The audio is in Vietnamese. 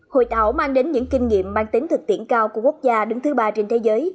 hội tạo mang đến những kinh nghiệm mang tính thực tiễn cao của quốc gia đứng thứ ba trên thế giới